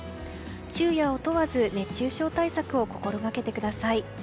昼夜を問わず熱中症対策を心がけてください。